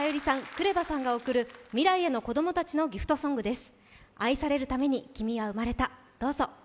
ＫＲＥＶＡさんが贈る未来の子供たちへのＧＩＦＴソングです。